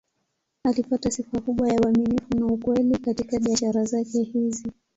Alipata sifa kubwa ya uaminifu na ukweli katika biashara zake hizi.